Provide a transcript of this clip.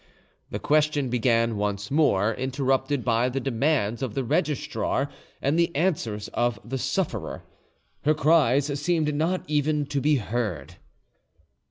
The question began once more, interrupted by the demands of the registrar and the answers of the sufferer. Her cries seemed not even to be heard.